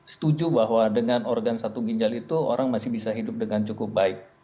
setuju bahwa dengan organ satu ginjal itu orang masih bisa hidup dengan cukup baik